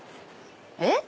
えっ？